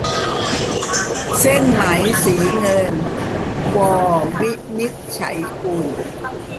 เส้นไหมสีเงิน - ว วินิจฉัยกุล